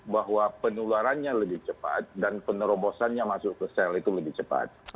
bahwa penularannya lebih cepat dan penerobosannya masuk ke sel itu lebih cepat